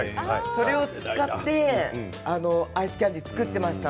それを使ってアイスキャンディー作っていました。